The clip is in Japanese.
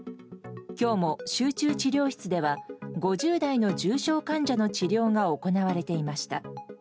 今日も集中治療室では５０代の重症患者の治療が行われていました。